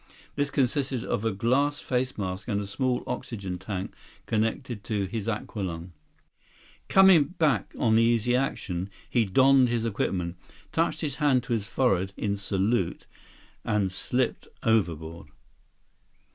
This consisted of a glass face mask, and a small oxygen tank connected to his aqualung. Coming back on the Easy Action, he donned his equipment, touched his hand to his forehead in salute, and slipped overboard.